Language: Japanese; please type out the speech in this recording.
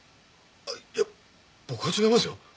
いや僕は違いますよ。